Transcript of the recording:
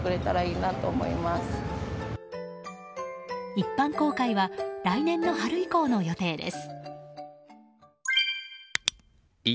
一般公開は来年の春以降の予定です。